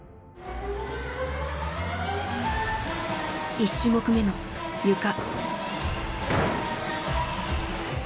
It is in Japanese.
１種目目のゆか。